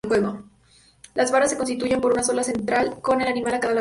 Las varas se sustituyen por una sola central, con un animal a cada lado.